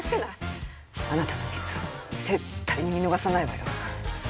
あなたのミスは絶対に見逃さないわよ。